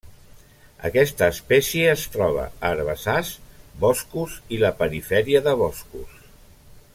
Aquesta espècie es troba a herbassars, boscos i la perifèria de boscos.